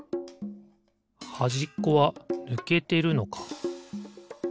はじっこはぬけてるのか。